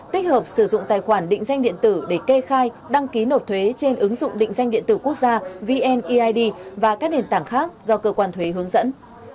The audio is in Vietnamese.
tích hợp sử dụng tài khoản định danh điện tử để kê khai đăng ký nộp thuế trên ứng dụng định danh điện tử quốc gia vneid và các nền tảng khác do cơ quan thuế hướng dẫn